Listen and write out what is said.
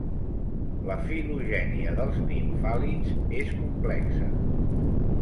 La filogènia dels nimfàlids és complexa.